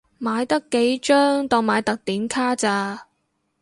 買得幾張當買特典卡咋